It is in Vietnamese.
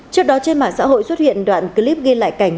trước đó trên mạng xã hội xuất hiện đoạn clip ghi lại cảnh